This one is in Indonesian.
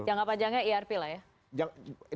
jangka panjangnya irp lah ya